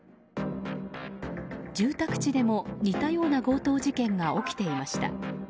住宅街でも似たような強盗事件が起きていました。